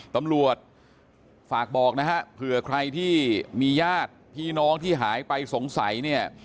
ตำรวจฝากบอกนะฮะเผื่อใครที่มีญาติพี่น้องที่หายไปสงสัยเนี่ย